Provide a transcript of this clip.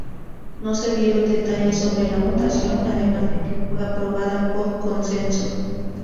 No se dieron detalles sobre la votación además de que fue aprobada "por consenso".